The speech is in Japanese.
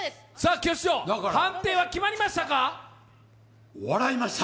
師匠、判定は決まりましたか？